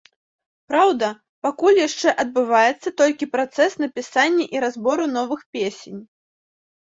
Праўда, пакуль яшчэ адбываецца толькі працэс напісання і разбору новых песень.